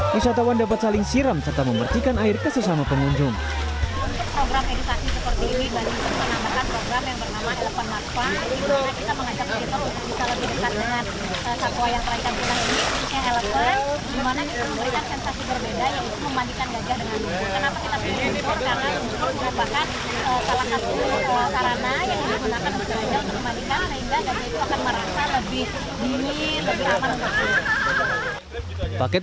nisatawan dapat saling siruk dan menghilangkan lumpur lumpur yang tadi sempat digunakan